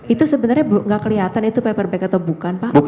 itu sebenarnya nggak kelihatan itu paperback atau bukan pak